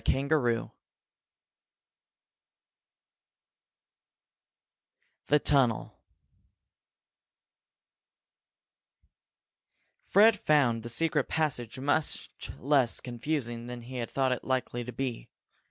CHAPTER VI THE TUNNEL Fred found the secret passage much less confusing than he had thought it likely to be.